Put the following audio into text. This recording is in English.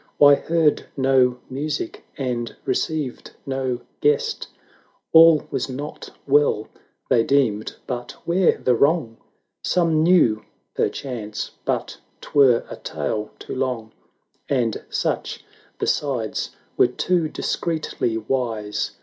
Why heard no music, and received no guest ? All was not well, they deemed — but where the wrong? Some knew perchance — but 'twere a tale too long; 150 And such besides were too discreetly wise.